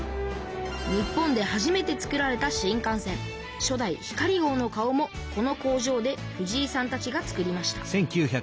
日本で初めてつくられた新幹線初代「ひかり号」の顔もこの工場で藤井さんたちが作りました。